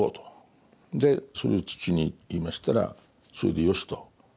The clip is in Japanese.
でそれを父に言いましたらそれでよしと。